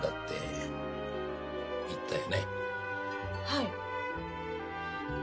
はい。